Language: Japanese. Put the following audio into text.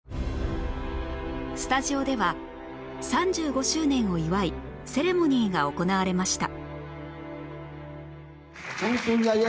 スタジオでは３５周年を祝いセレモニーが行われました